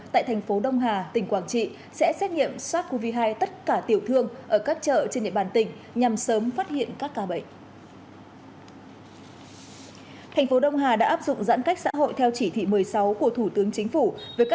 tại thành phố đông hà tỉnh quảng trị sẽ xét nghiệm sars cov hai